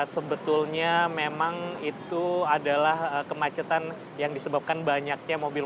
sebetulnya memang itu adalah kemacetan yang disebabkan banyaknya mobil